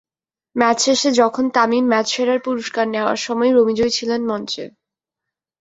Match শেষে যখন Tamim match সেরার পুরস্কার নেওয়ার সময় রমিজই ছিলেন মঞ্চে।